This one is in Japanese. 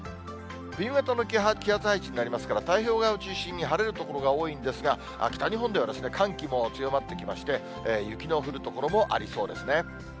冬型の気圧配置になりますから、太平洋側を中心に、晴れる所が多いんですが、北日本では寒気も強まってきまして、雪の降る所もありそうですね。